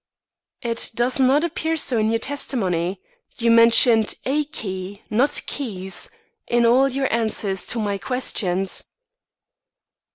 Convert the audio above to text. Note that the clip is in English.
"It does not appear so in your testimony. You mentioned a key, not keys, in all your answers to my questions."